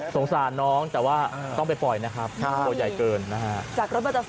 สงสารน้องแต่ว่าต้องไปปล่อยนะครับตัวใหญ่เกินนะฮะ